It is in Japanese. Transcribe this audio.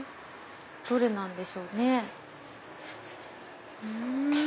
どれなんでしょうね？